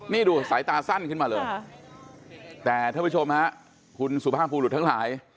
นี่ดูสายตาสั้นขึ้นมาเลยแต่ท่านผู้ชมฮะคุณสุภาพภูหลุดทั้งหลาย